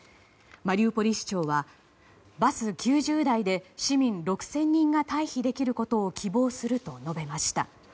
マリウポリ市長はバス９０台で市民６０００人が退避できることを希望すると述べました。